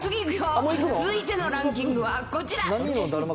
続いてのランキングはこちら。